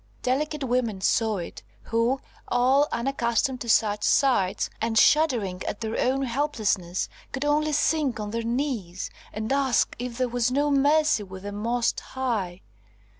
Delicate women saw it, who, all unaccustomed to such sights, and shuddering at their own helplessness, could only sink on their knees, and ask if there was no mercy with the Most High.